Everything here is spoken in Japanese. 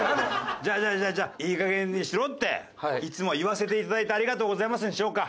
じゃあじゃあじゃあじゃあ「“いいかげんにしろ”っていつも言わせていただいてありがとうございます」にしようか。